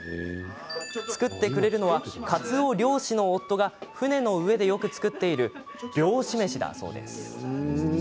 作ってくれるのはかつお漁師の夫が船の上でよく作っている漁師飯だそうです。